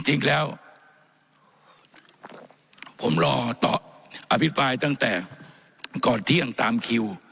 จริงแล้วผมรอต่ออภิปรายตั้งแต่ก่อนเที่ยงตามคิว